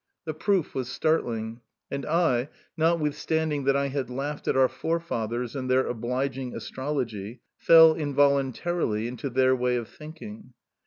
The proof was startling, and I, notwithstanding that I had laughed at our forefathers and their obliging astrology, fell involuntarily into their way of thinking.